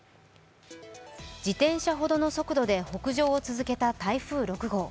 自転車ほどの速度で北上を続けた台風６号。